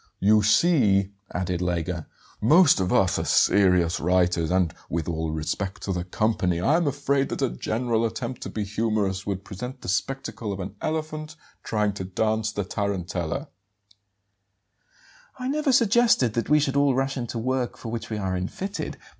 "You see," added Lega, "most of us are serious writers; and, with all respect to the company, I am afraid that a general attempt to be humorous would present the spectacle of an elephant trying to dance the tarantella." "I never suggested that we should all rush into work for which we are unfitted.